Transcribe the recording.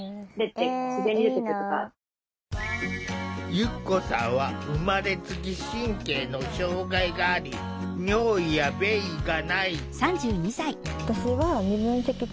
ゆっこさんは生まれつき神経の障害があり尿意や便意がない。